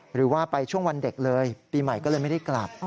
หรือว่าไปช่วงวันเด็กเลยปีใหม่ก็เลยไม่ได้กลับ